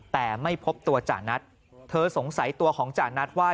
แต่ไม่พบตัวจ่านัทเธอสงสัยตัวของจานัทว่า